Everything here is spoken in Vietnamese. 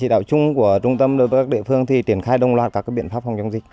trung tâm đối với các địa phương triển khai đồng loạt các biện pháp phòng chống dịch